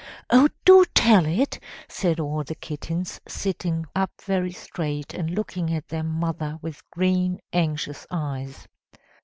"Oh, do tell it," said all the kittens, sitting up very straight and looking at their mother with green anxious eyes.